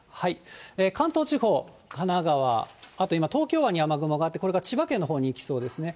関東地方、神奈川、あと今、東京湾に雨雲があって、これから千葉県のほうに行きそうですね。